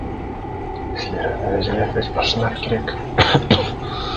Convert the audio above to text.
Силер аны өзүңөр ачпашыңар керек.